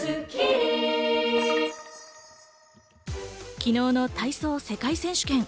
昨日の体操世界選手権。